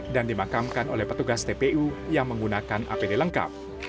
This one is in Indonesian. dan dimakamkan oleh petugas tpu yang menggunakan apd lengkap